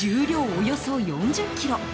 およそ４０ｋｇ。